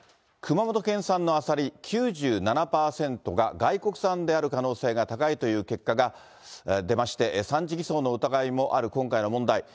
熊本県産のアサリ９７％が、外国産である可能性が高いという結果が出まして、産地偽装の疑いもある今回の問題。